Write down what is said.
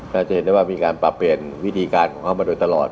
จะเห็นได้ว่ามีการปรับเปลี่ยนวิธีการของเขามาโดยตลอด